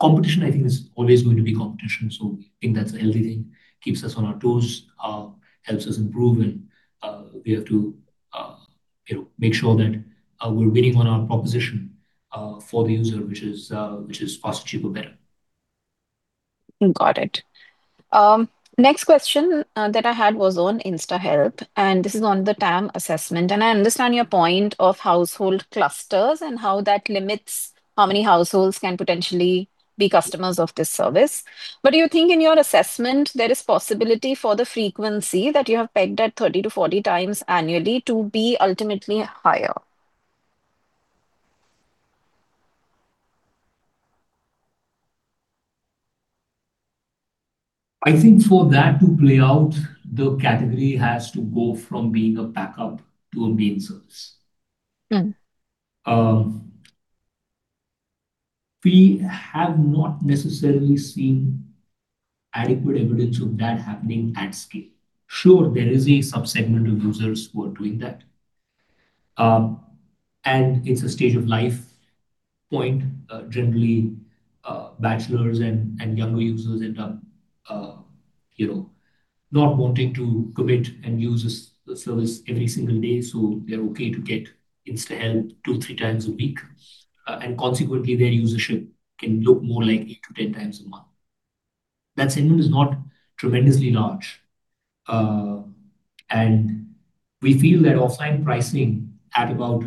Competition, I think there's always going to be competition. We think that's a healthy thing. Keeps us on our toes, helps us improve, and we have to make sure that we're winning on our proposition for the user, which is faster, cheaper, better. Got it. Next question that I had was on InstaHelp, this is on the TAM assessment. I understand your point of household clusters and how that limits how many households can potentially be customers of this service. Do you think in your assessment, there is possibility for the frequency that you have pegged at 30 - 40 times annually to be ultimately higher? I think for that to play out, the category has to go from being a backup to a main service. We have not necessarily seen adequate evidence of that happening at scale. Sure, there is a sub-segment of users who are doing that. It's a stage of life point. Generally, bachelors and younger users end up not wanting to commit and use a service every single day, so they're okay to get InstaHelp two, three times a week. Consequently, their usership can look more like eight to 10x a month. That segment is not tremendously large. We feel that offline pricing at about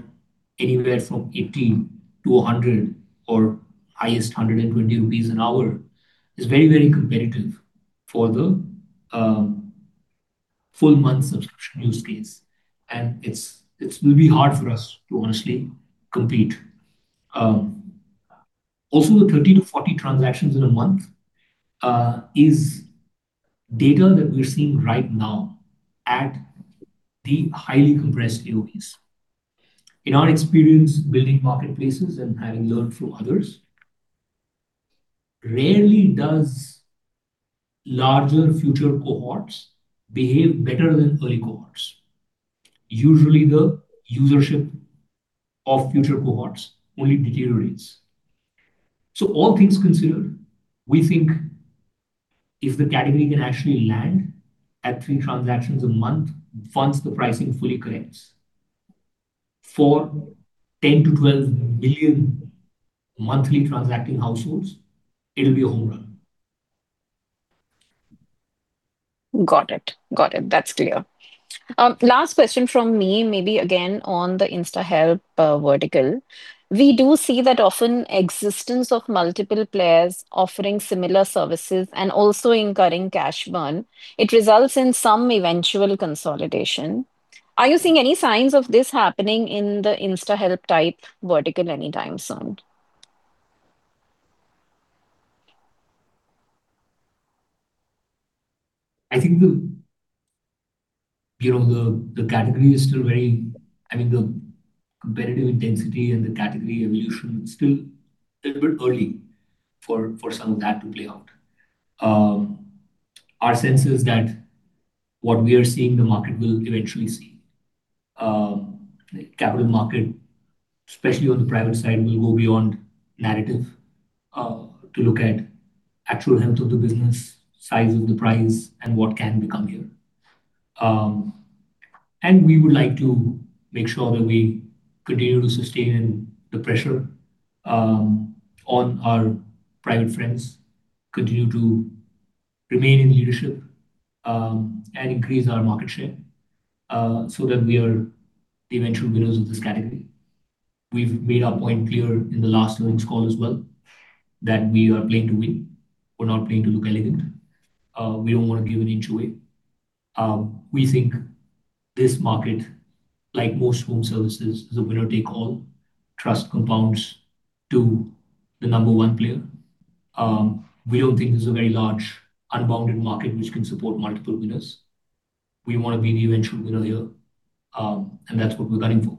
anywhere from 80 - 100 or highest 120 rupees an hour is very, very competitive for the full-month subscription use case, and it will be hard for us to honestly compete. Also, the 30 - 40 transactions in a month, is data that we're seeing right now at the highly compressed AOVs. In our experience building marketplaces and having learned from others, rarely does larger future cohorts behave better than early cohorts. Usually, the usership of future cohorts only deteriorates. All things considered, we think if the category can actually land at three transactions a month once the pricing fully corrects for 10 - 12 million monthly transacting households, it'll be a home run. Got it. That's clear. Last question from me, maybe again, on the InstaHelp vertical. We do see that often existence of multiple players offering similar services and also incurring cash burn, it results in some eventual consolidation. Are you seeing any signs of this happening in the InstaHelp-type vertical anytime soon? I think the competitive intensity and the category evolution, it's still a little bit early for some of that to play out. Our sense is that what we are seeing, the market will eventually see. The capital market, especially on the private side, will go beyond narrative, to look at actual health of the business, size of the prize, and what can become here. We would like to make sure that we continue to sustain the pressure, on our private friends, continue to remain in leadership, and increase our market share that we are the eventual winners of this category. We've made our point clear in the last earnings call as well that we are playing to win. We're not playing to look elegant. We don't want to give an inch away. We think this market, like most home services, is a winner take all. Trust compounds to the number one player. We don't think this is a very large unbounded market which can support multiple winners. We want to be the eventual winner here, that's what we're gunning for.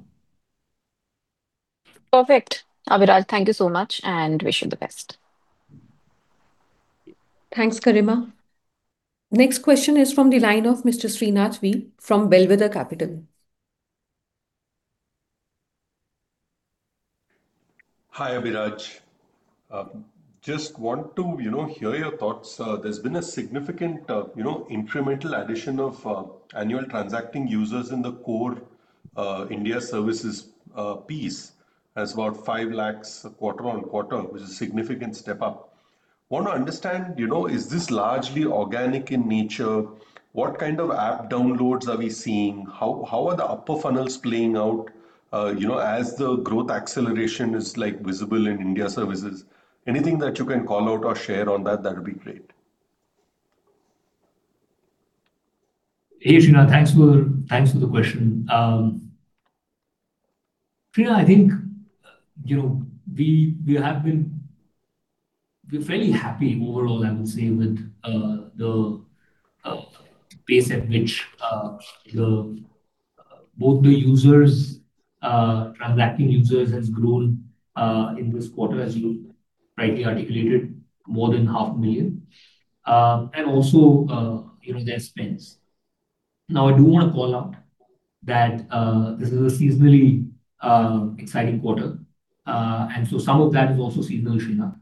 Perfect. Abhiraj, thank you so much, wish you the best. Thanks, Garima. Next question is from the line of Mr. Srinath V from Bellwether Capital. Hi, Abhiraj. Just want to hear your thoughts. There's been a significant incremental addition of annual transacting users in the core India Consumer Services piece as about 5 lakhs quarter-on-quarter, which is a significant step up. Want to understand, is this largely organic in nature? What kind of app downloads are we seeing? How are the upper funnels playing out as the growth acceleration is visible in India Consumer Services? Anything that you can call out or share on that would be great. Hey, Srinath. Thanks for the question. Srinath, I think we're fairly happy overall, I would say, with the pace at which both the transacting users has grown in this quarter, as you rightly articulated, more than half a million, and also their spends. I do want to call out that this is a seasonally exciting quarter, some of that is also seasonal,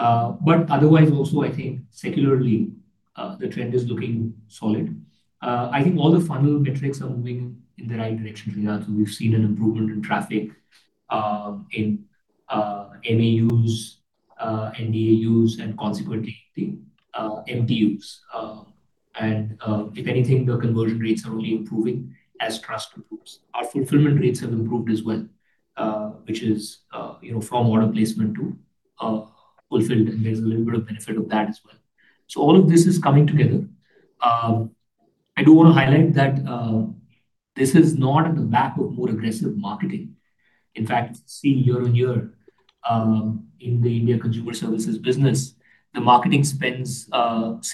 Srinath. Otherwise also I think secularly, the trend is looking solid. I think all the funnel metrics are moving in the right direction, Srinath. We've seen an improvement in traffic, in MAUs, and DAU, and consequently, the MTU. If anything, the conversion rates are only improving as trust improves. Our fulfillment rates have improved as well, which is from order placement to fulfilled, there's a little bit of benefit of that as well. All of this is coming together. I do want to highlight that this is not on the back of more aggressive marketing. In fact, see year-on-year in the India Consumer Services business, the marketing spends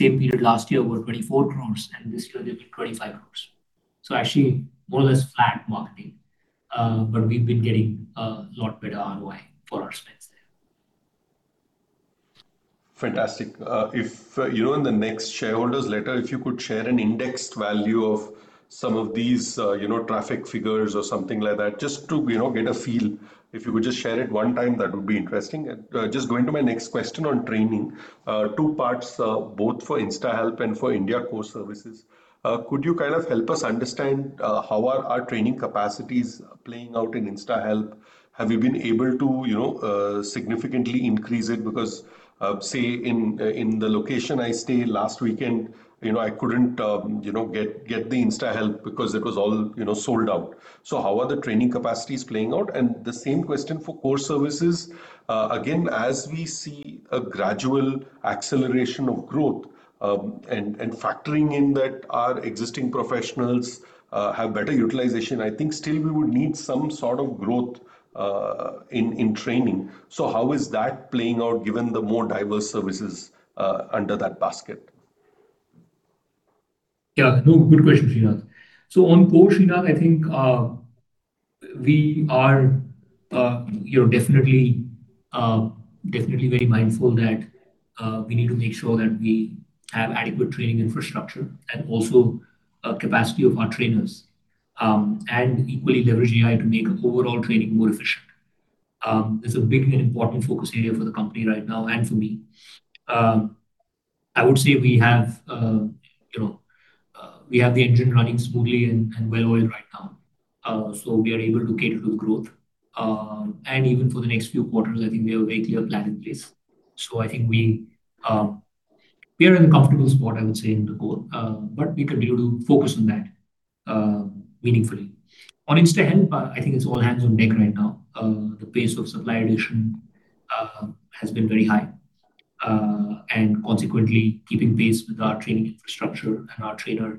same period last year were 24 crores, this year they've been 25 crores. Actually, more or less flat marketing. We've been getting a lot better ROI for our spends there. Fantastic. In the next shareholders letter, if you could share an indexed value of some of these traffic figures or something like that, just to get a feel. If you could just share it one time, that would be interesting. Just going to my next question on training. Two parts, both for InstaHelp and for India Consumer Services. Could you help us understand how are our training capacities playing out in InstaHelp? Have you been able to significantly increase it? Because, say in the location I stay last weekend, I couldn't get the InstaHelp because it was all sold out. How are the training capacities playing out? The same question for core services. Again, as we see a gradual acceleration of growth and factoring in that our existing professionals have better utilization, I think still we would need some sort of growth in training. How is that playing out given the more diverse services under that basket? Yeah. No, good question, Srinath. On core, Srinath, I think we are definitely very mindful that we need to make sure that we have adequate training infrastructure and also capacity of our trainers. Equally leverage AI to make overall training more efficient. It's a big and important focus area for the company right now and for me. I would say we have the engine running smoothly and well-oiled right now. We are able to cater to the growth. Even for the next few quarters, I think we have a very clear plan in place. I think we are in a comfortable spot, I would say, in the core. We continue to focus on that meaningfully. On InstaHelp, I think it's all hands on deck right now. The pace of supply addition has been very high. Consequently, keeping pace with our training infrastructure and our trainer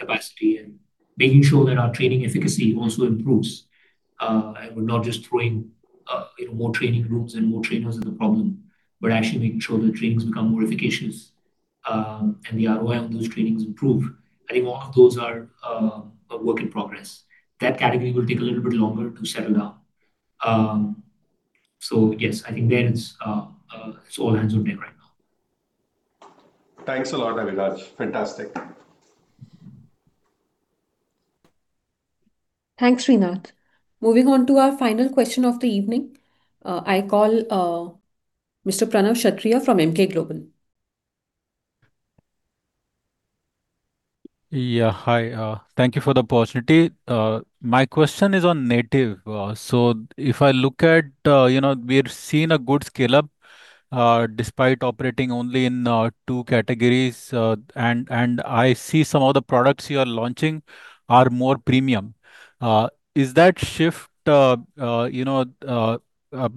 capacity and making sure that our training efficacy also improves. We're not just throwing more training rooms and more trainers at the problem, but actually making sure the trainings become more efficacious and the ROI on those trainings improve. I think all of those are a work in progress. That category will take a little bit longer to settle down. Yes, I think there it's all hands on deck right now. Thanks a lot, Abhiraj. Fantastic. Thanks, Srinath. Moving on to our final question of the evening. I call Mr. Pranav Kshatria from Emkay Global. Hi. Thank you for the opportunity. My question is on Native. If I look at, we're seeing a good scale-up, despite operating only in two categories. I see some of the products you are launching are more premium. Is that shift,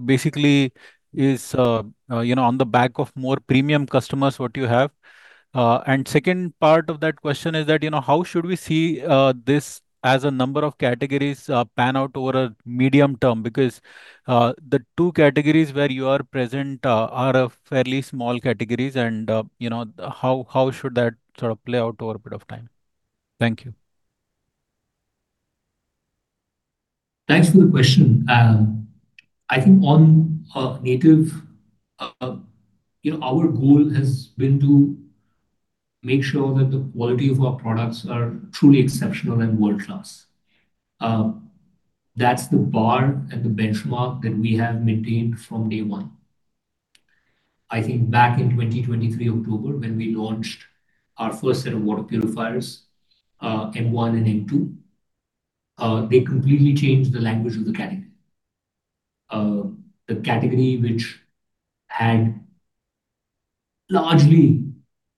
basically is on the back of more premium customers what you have? Second part of that question is that, how should we see this as a number of categories pan out over a medium term? The two categories where you are present are of fairly small categories and how should that sort of play out over a bit of time? Thank you. Thanks for the question. I think on Native, our goal has been to make sure that the quality of our products are truly exceptional and world-class. That's the bar and the benchmark that we have maintained from day one. I think back in 2023, October, when we launched our first set of water purifiers, M1 and M2, they completely changed the language of the category. The category which had largely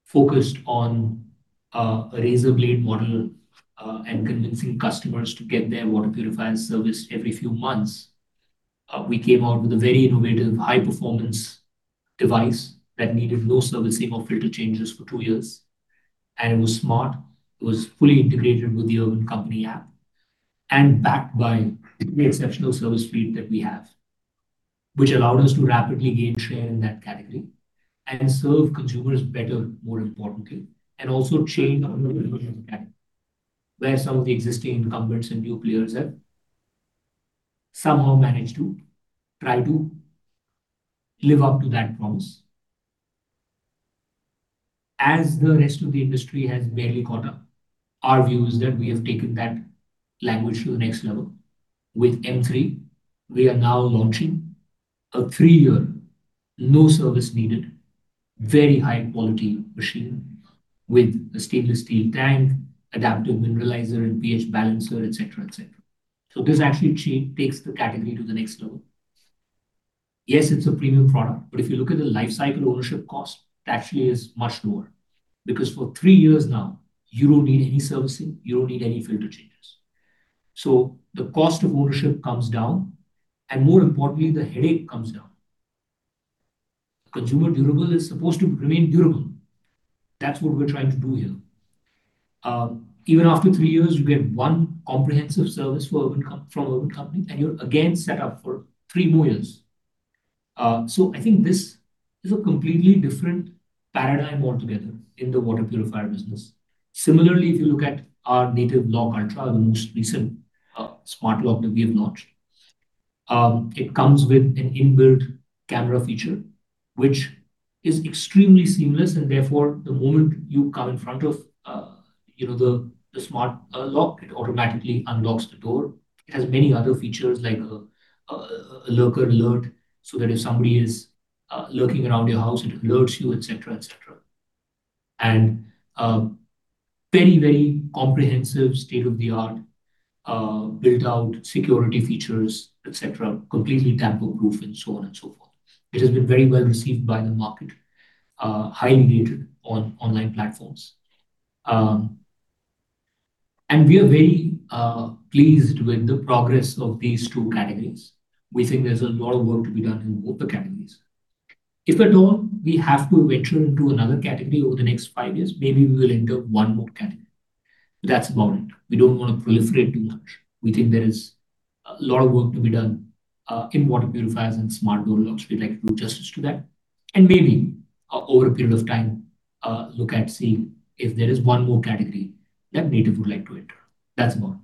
focused on a razor blade model, and convincing customers to get their water purifier serviced every few months. We came out with a very innovative, high-performance device that needed no servicing or filter changes for two years, and it was smart. It was fully integrated with the Urban Company app and backed by the exceptional service speed that we have. Which allowed us to rapidly gain share in that category and serve consumers better, more importantly, and also change where some of the existing incumbents and new players have somehow managed to try to live up to that promise. As the rest of the industry has barely caught up, our view is that we have taken that language to the next level. With M3, we are now launching a three-year, no service needed, very high-quality machine with a stainless steel tank, adaptive mineralizer, and pH balancer, et cetera. This actually takes the category to the next level. Yes, it's a premium product, but if you look at the life cycle ownership cost, it actually is much lower. Because for three years now, you don't need any servicing, you don't need any filter changes. The cost of ownership comes down, and more importantly, the headache comes down. Consumer durable is supposed to remain durable. That's what we're trying to do here. Even after three years, you get one comprehensive service from Urban Company, and you're again set up for three more years. I think this is a completely different paradigm altogether in the water purifier business. Similarly, if you look at our Native Lock Ultra, the most recent smart lock that we have launched. It comes with an inbuilt camera feature, which is extremely seamless, and therefore, the moment you come in front of the smart lock, it automatically unlocks the door. It has many other features like a lurker alert, so that if somebody is lurking around your house, it alerts you, et cetera. Very comprehensive state-of-the-art, built-out security features, et cetera. Completely tamper-proof and so on and so forth. It has been very well-received by the market, highly rated on online platforms. We are very pleased with the progress of these two categories. We think there's a lot of work to be done in both the categories. If at all, we have to venture into another category over the next five years, maybe we will enter one more category. That's about it. We don't want to proliferate too much. We think there is a lot of work to be done, in water purifiers and smart door locks. We'd like to do justice to that. Maybe, over a period of time, look at seeing if there is one more category that Native would like to enter. That's about it.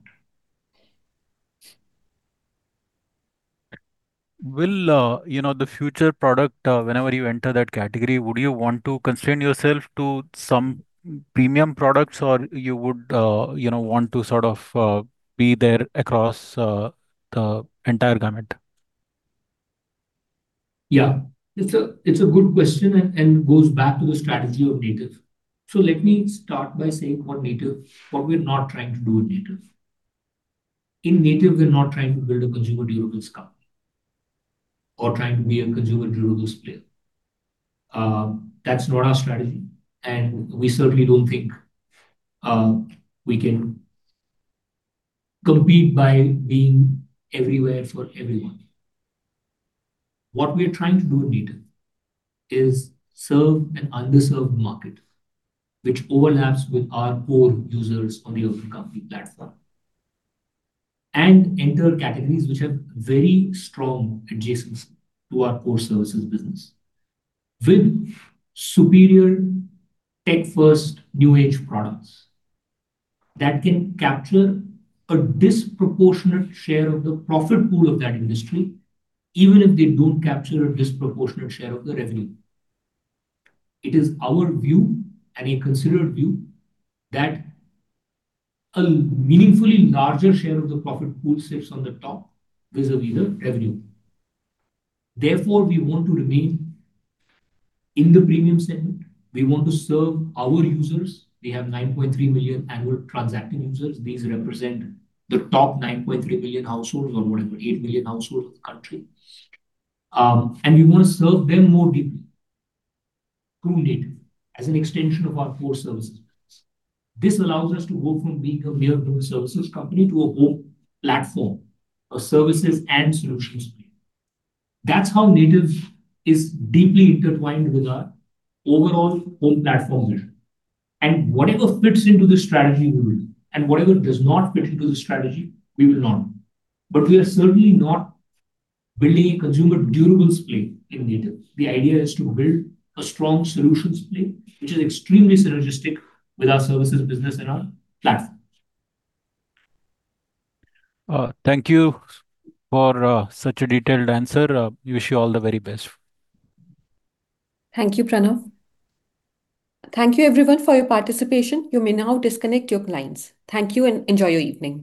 Will, the future product, whenever you enter that category, would you want to constrain yourself to some premium products or you would want to sort of be there across the entire gamut? Yeah. It's a good question and goes back to the strategy of Native. Let me start by saying what we're not trying to do in Native. In Native, we're not trying to build a consumer durables company or trying to be a consumer durables player. That's not our strategy, and we certainly don't think we can compete by being everywhere for everyone. What we're trying to do at Native is serve an underserved market, which overlaps with our core users on the Urban Company platform, and enter categories which have very strong adjacency to our core services business. With superior tech-first, new-age products that can capture a disproportionate share of the profit pool of that industry, even if they don't capture a disproportionate share of the revenue. It is our view, and a considered view, that a meaningfully larger share of the profit pool sits on the top vis-à-vis the revenue. Therefore, we want to remain in the premium segment. We want to serve our users. We have 9.3 million annual transacting users. These represent the top 9.3 million households, or whatever, 8 million households in the country. We want to serve them more deeply through Native as an extension of our core services business. This allows us to go from being a mere services company to a home platform of services and solutions. That's how Native is deeply intertwined with our overall home platform vision. Whatever fits into the strategy, we will. Whatever does not fit into the strategy, we will not. We are certainly not building a consumer durables play in Native. The idea is to build a strong solutions play, which is extremely synergistic with our services business and our platform. Thank you for such a detailed answer. Wish you all the very best. Thank you, Pranav. Thank you everyone for your participation. You may now disconnect your lines. Thank you, and enjoy your evening.